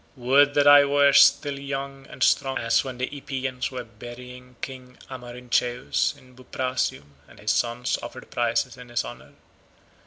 Would that I were still young and strong as when the Epeans were burying King Amarynceus in Buprasium, and his sons offered prizes in his honour.